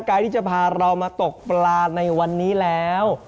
กายที่จะพาเรามาตกปลาในวันนี้แล้ว